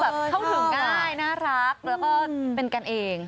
เข้าถึงง่ายน่ารักแล้วก็เป็นกันเอง